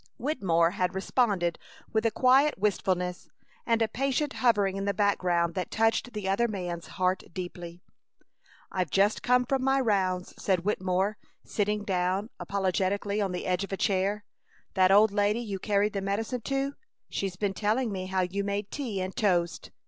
Wittemore had responded with a quiet wistfulness and a patient hovering in the background that touched the other man's heart deeply. "I've just come from my rounds," said Wittemore, sitting down, apologetically, on the edge of a chair. "That old lady you carried the medicine to she's been telling me how you made tea and toast!"